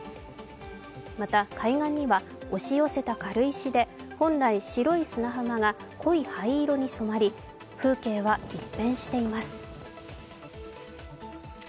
また、海岸には押し寄せた軽石で本来白い砂浜が濃い灰色に染まり、風景は一変しています。